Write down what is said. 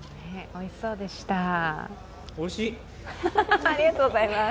おいしい。